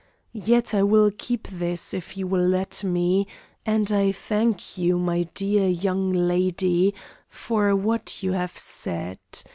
Yet I will keep this, if you will let me, and I thank you, my dear young lady, for what you have said.